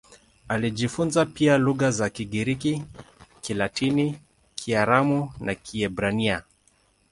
Alijifunza pia lugha za Kigiriki, Kilatini, Kiaramu na Kiebrania.